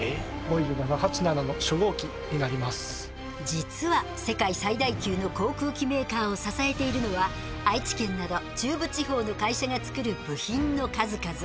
実は世界最大級の航空機メーカーを支えているのは愛知県など中部地方の会社が作る部品の数々。